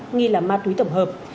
nghi là ma túy tổng hợp